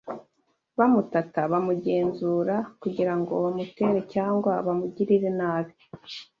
Bamutata: bamugenzura kugira ngo bamutere cyangwa bamugirire nabi